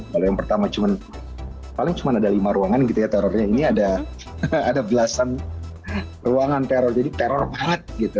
kalau yang pertama cuma paling cuma ada lima ruangan gitu ya terornya ini ada belasan ruangan teror jadi teror banget gitu